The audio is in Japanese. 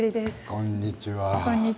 こんにちは。